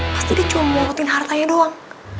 pasti dia cuma mau ngobrolin hartanya doang